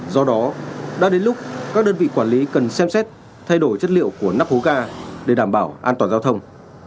do đó đã đến lúc các đơn vị quản lý cần xem xét thay đổi chất liệu của nắp hố ga để đảm bảo an toàn giao thông